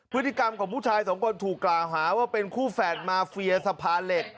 พฤติกรรมของผู้ชายสองคนถูกกล่าวหาว่าเป็นคู่แฝดมาเฟียสะพานเหล็ก